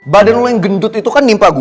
badan lo yang gendut itu kan nimpa gue